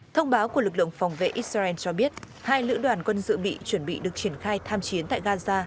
thông báo của lực lượng phòng vệ israel cho biết hai lữ đoàn quân dự bị chuẩn bị được triển khai tham chiến tại gaza